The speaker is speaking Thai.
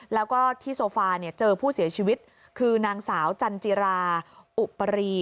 แล้วก็ที่โซฟาเจอผู้เสียชีวิตคือนางสาวจันจิราอุปรี